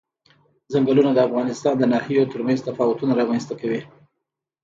ځنګلونه د افغانستان د ناحیو ترمنځ تفاوتونه رامنځ ته کوي.